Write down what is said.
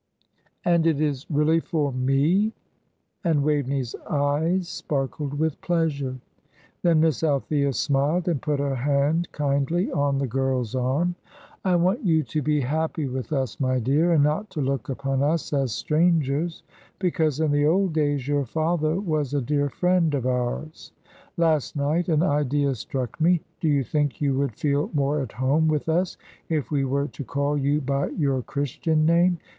"And it is really for me!" and Waveney's eyes sparkled with pleasure. Then Miss Althea smiled, and put her hand kindly on the girl's arm. "I want you to be happy with us, my dear, and not to look upon us as strangers, because in the old days your father was a dear friend of ours. Last night an idea struck me. Do you think you would feel more at home with us if we were to call you by your Christian name?